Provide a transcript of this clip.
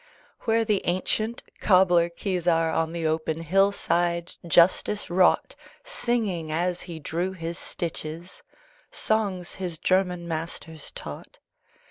Where the ancient cobbler, Keezar, On the open hillside justice wrought, Singing, as he drew his stitches, Songs his German masters taught.